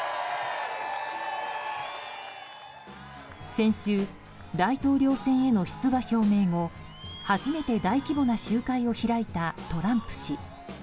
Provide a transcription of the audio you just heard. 先週、大統領選への出馬表明後初めて、大規模な集会を開いたトランプ氏。